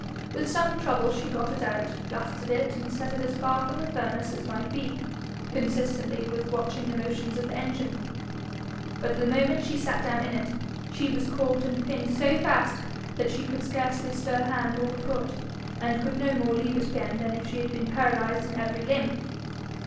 With some trouble she got it out, dusted it, and set it as far from the furnace as might be, consistently with watching the motions of the engine. But the moment she sat down in it, she was caught and pinned so fast that she could scarcely stir hand or foot, and could no more leave it again than if she had been paralyzed in every limb.